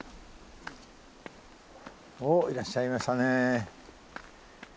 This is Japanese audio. おっいらっしゃいましたね。